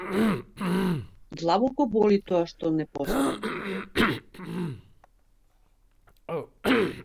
Длабоко боли тоа што не постојам.